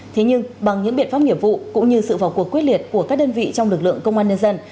thế nhưng bằng những biện pháp nghiệp vụ cũng như sự vào cuộc quyết liệt của các đơn vị trong lực lượng công an nhân dân